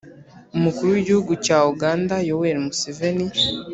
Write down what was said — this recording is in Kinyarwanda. umukuru w'igihugu cya uganda yoweri museveni